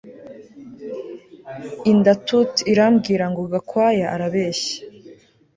Inda tut irambwira ngo Gakwaya arabeshya